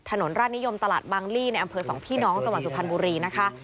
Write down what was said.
ถนนราชนิยมตลาดบางลี่ในอำเภอสองพี่น้องจังหวัดสุพรรณบุรีนะคะ